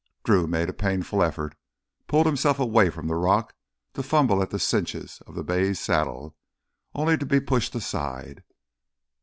Drew made a painful effort, pulled himself away from the rock to fumble at the cinches of the bay's saddle, only to be pushed aside.